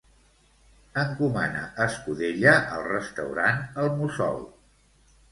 Encomana escudella al restaurant El Mussol.